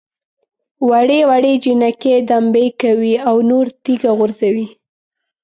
وړې وړې جنکۍ دمبۍ کوي او نور تیږه غورځوي.